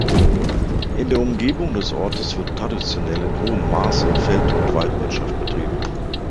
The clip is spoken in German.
In der Umgebung des Ortes wird traditionell in hohem Maße Feld- und Weidewirtschaft betrieben.